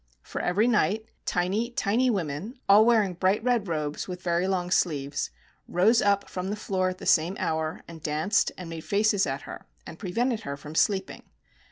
For every night, tiny, tiny women — all wear ing bright red robes with very long sleeves, — rose up from the floor at the same hour, and danced, and made faces at her and prevented her from sleeping.